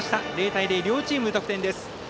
０対０、両チーム無得点です。